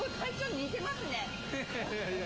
似てますね。